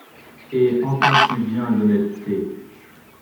Et entends-tu bien l’honnêteté ?